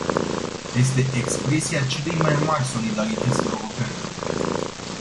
Este expresia celei mai mari solidarități europene.